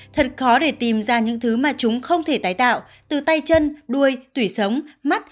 thật khó để tìm ra những thứ mà chúng không thể tái tạo từ tay chân đuôi tủy sống mắt